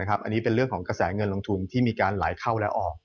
อันนี้เป็นเรื่องของกระแสเงินลงทุนที่มีการไหลเข้าและออก